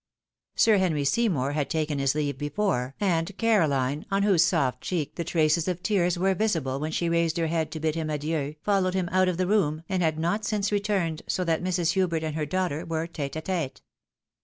Sir Henry Sey mour had taken his leave before, and Caroline, on whose soft cheek the traces of tears were visible when she raised her head to bid him adieu, followed him out of the room, and had not since returned, so that Mrs. Hubert and her daughter were tete a tete.